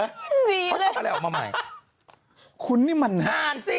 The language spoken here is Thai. ดีเลยคุณนี่มันนะคุณนี่มันนะอ่านสิ